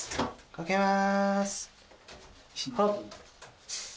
掛けます。